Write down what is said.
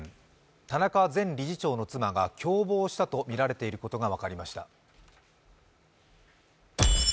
田中前理事長の妻が共謀したとみられていることが分かりました。